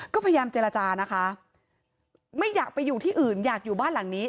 ก็พยายามเจรจานะคะไม่อยากไปอยู่ที่อื่นอยากอยู่บ้านหลังนี้